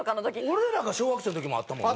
俺らが小学生の時もあったもんな。